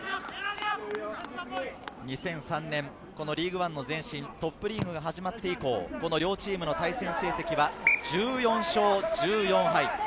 ２００３年、リーグワンの前身、トップリーグが始まって以降、この両チームの対戦成績は１４勝１４敗。